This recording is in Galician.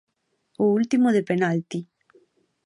O último de penalti.